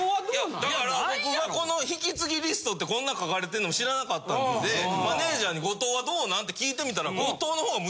いやだから僕がこの引き継ぎリストってこんな書かれてんのも知らなかったんでマネジャーに後藤はどうなん？って聞いてみたら。